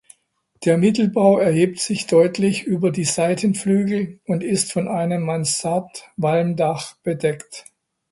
Der Mittelbau erhebt sich deutlich über die Seitenflügel und ist von einem Mansardwalmdach bedeckt.